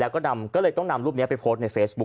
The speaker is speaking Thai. ก็เลยต้องนำรูปนี้ไปโพสต์ในเฟซบุ๊ค